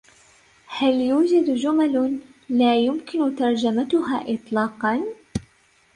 هل يوجد جمل لا يمكن ترجمتها اطلاقاً؟